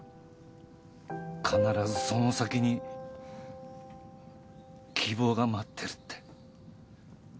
必ずその先に希望が待ってるって。